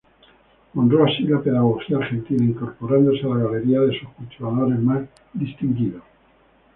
Honró así la pedagogía argentina, incorporándose a la galería de sus cultivadores más distinguidos"".